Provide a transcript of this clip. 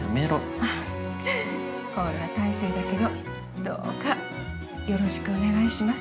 ふふこんな大聖だけどどうか、よろしくお願いします。